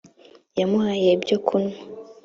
yamuhaye ibyokunywa .